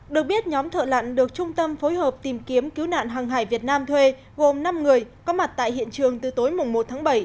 được biết nhóm thợ lặn được trung tâm phối hợp tìm kiếm cứu nạn hàng hải việt nam thuê gồm năm người có mặt tại hiện trường từ tối mùng một tháng bảy